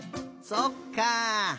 そっか。